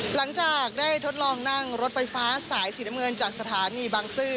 หลังจากได้ทดลองนั่งรถไฟฟ้าสายสีน้ำเงินจากสถานีบางซื่อ